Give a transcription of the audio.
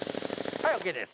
はいオッケーです。